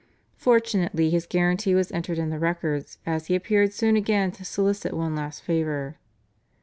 Fortunately his guarantee was entered in the records, as he appeared soon again to solicit one last favour.